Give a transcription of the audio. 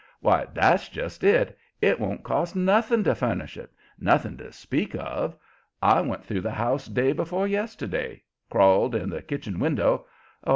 "Why, that's just it! It won't cost nothing to furnish it nothing to speak of. I went through the house day before yesterday crawled in the kitchen window oh!